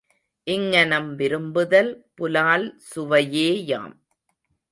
இங்ஙனம் விரும்புதல் புலால் சுவையேயாம்.